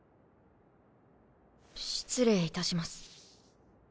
失礼いたします。